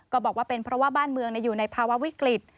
บอกว่าเป็นเพราะว่าบ้านเมืองอยู่ในภาวะวิกฤต